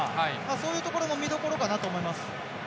そういうところも見どころかなと思います。